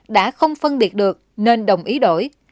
đã không phân biệt được nên đồng ý đổi